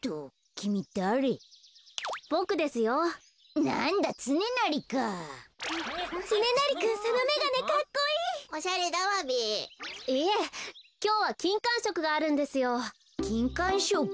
きんかんしょく？